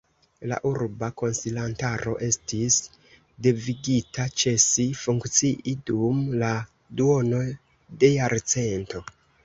La Urba Konsilantaro estis devigita ĉesi funkcii dum la duono de jarcento.